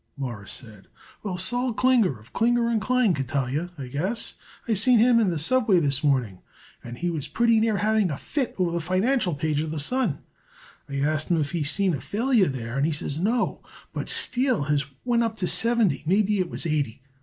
Morris said. "Well, Sol Klinger, of Klinger & Klein, could tell you, I guess. I seen him in the subway this morning, and he was pretty near having a fit over the financial page of the Sun. I asked him if he seen a failure there, and he says no, but Steel has went up to seventy, maybe it was eighty.